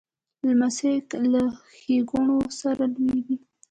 لمسی له ښېګڼو سره لویېږي.